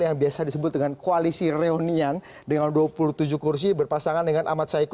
yang biasa disebut dengan koalisi reunian dengan dua puluh tujuh kursi berpasangan dengan ahmad saiku